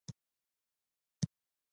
څېړونکي یې باید تحلیل او تفسیر کړي.